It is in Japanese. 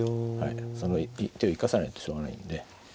その手を生かさないとしょうがないんで。